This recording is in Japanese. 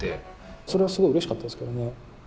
それはすごいうれしかったですけどね。